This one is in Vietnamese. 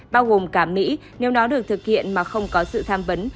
bao gồm cả mỹ nếu nó được thực hiện mà không có sự tham vấn